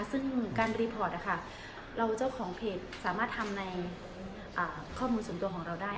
หรือการรีพอร์ตของเพจสามารถทำในข้อมูลส่วนตัวของเราได้